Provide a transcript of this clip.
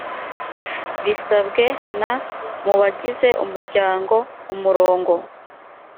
bisabwe na… mu bagize umuryango, umurongo